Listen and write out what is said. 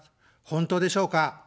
本当でしょうか。